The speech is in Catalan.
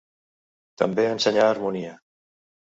També ensenyà harmonia.